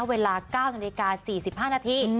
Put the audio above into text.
เวลา๙นาฬิกา๔๕นาที